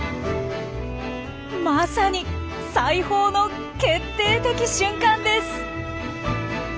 まさに裁縫の決定的瞬間です！